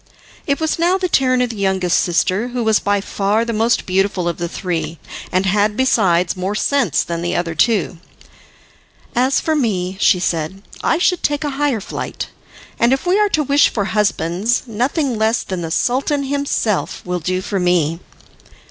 It was now the turn of the youngest sister, who was by far the most beautiful of the three, and had, besides, more sense than the other two. "As for me," she said, "I should take a higher flight; and if we are to wish for husbands, nothing less than the Sultan himself will do for me."